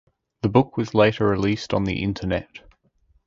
The book was later released on the internet.